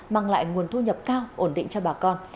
mang lại nguồn thu nhập cao ổn định cho bà con